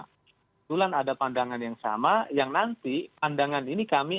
kebetulan ada pandangan yang sama yang nanti pandangan ini kami